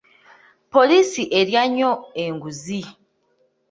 Poliisi erya nnyo enguzi.